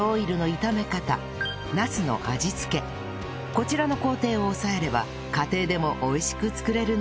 こちらの工程を押さえれば家庭でも美味しく作れるんです